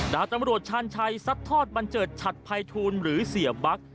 ดาบตำรวจชาญชัยซัดทอดบันเจิดฉัดภัยทูลหรือเสียบั๊ก